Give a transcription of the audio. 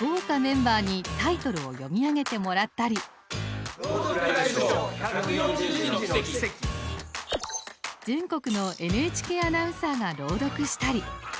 豪華メンバーにタイトルを「朗読ＬＩＶＥショー全国のＮＨＫアナウンサーが朗読したり。